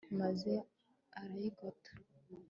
maze arayigota